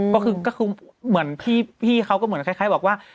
ก็คือเหมือนพี่เขาก็เหมือนคล้ายบอกว่า